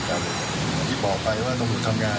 อย่างที่บอกไปว่าตรงวิธีทำงาน